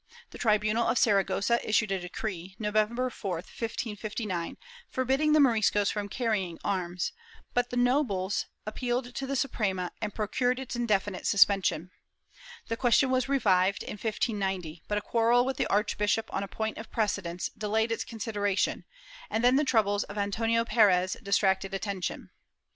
The tribunal of Saragossa issued a decree, November 4, 1559, forbidding the Moriscos from carrying arms, but the nobles appealed to the Suprema and procured its indefinite suspension/ The question was revived, in 1590, but a quarrel with the archbishop on a point of precedence delayed its consideration, and then the troubles of Antonio Perez distracted attention.